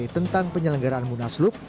tentang penyelenggaran munaslup